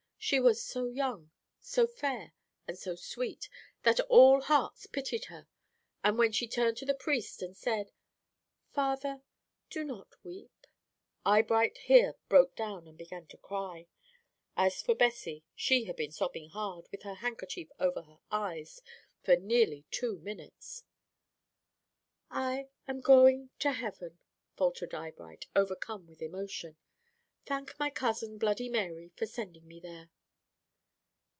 She was so young, so fair and so sweet that all hearts pitied her, and when she turned to the priest and said, 'Fa ther, do not we ep' " Eyebright here broke down and began to cry. As for Bessie, she had been sobbing hard, with her handkerchief over her eyes for nearly two minutes. "'I am go ing to hea ven,'" faltered Eyebright, overcome with emotion. "'Thank my cousin, Bloody Mary, for sending me th ere.'"